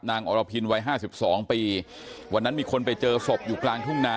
นางอรพินวัย๕๒ปีวันนั้นมีคนไปเจอศพอยู่กลางทุ่งนาน